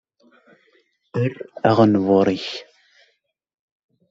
Err aɣenbur-ik.